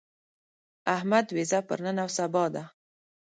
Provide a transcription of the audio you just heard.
د احمد وېزه پر نن او سبا ده.